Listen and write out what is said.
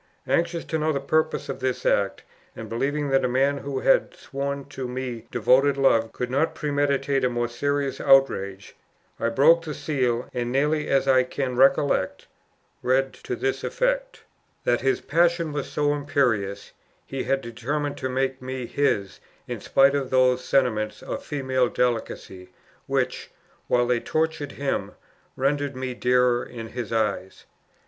Anxious to know the purpose of this act, and believing that a man who had sworn to me devoted love could not premeditate a more serious outrage, I broke the seal and, nearly as I can recollect, read to this effect: "That his passion was so imperious, he had determined to make me his in spite of those sentiments of female delicacy which, while they tortured him, rendered me dearer in his eyes.